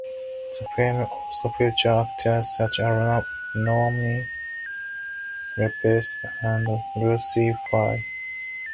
The film also features actors such as Noomi Rapace and Lucy Fry.